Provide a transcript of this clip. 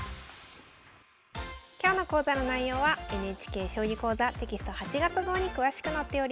今日の講座の内容はＮＨＫ「将棋講座」テキスト８月号に詳しく載っております。